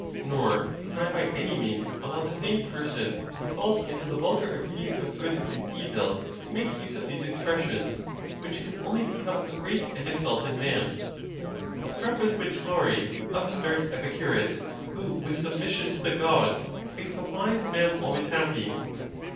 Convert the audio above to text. Nor can I by any means allow the same per son who falls into the vulgar opinion of good and evil to make use of these expressions, which can only become WHETHER VIRTUE ALONE BE SUFFICIENT. 175 'a great and exalted man. Struck with which glory, up starts Epicurus, who, with submission to the Gods, thinks a wise man always happy.